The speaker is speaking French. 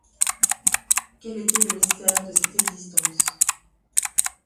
Quel était le mystère de cette existence?